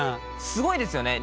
すごいですよね。